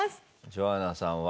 ジョアナさんは。